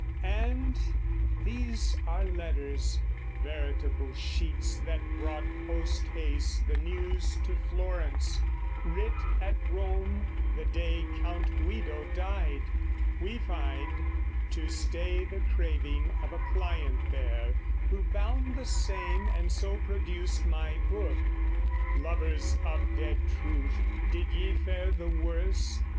And these are letters, veritable sheets That brought posthaste the news to Florence, writ At Rome the day Count Guido died, we find, To stay the craving of a client there, Who bound the same and so produced my book. Lovers of dead truth, did ye fare the worse?